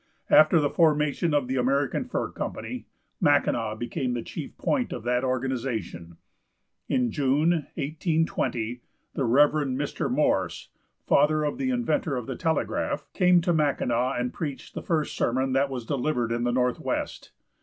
After the formation of the American Fur Company, Mackinaw became the chief point of that organization. In June, 1820, the Rev. Mr. Morse, father of the inventor of the telegraph, came to Mackinaw, and preached the first sermon that was delivered in the Northwest.